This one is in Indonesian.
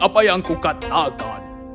apa yang kukatakan